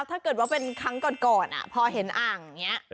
ถ้าเกิดว่าเป็นครั้งก่อนพอเห็นอ่างอย่างนี้